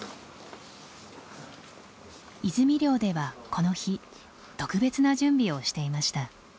泉寮ではこの日特別な準備をしていました。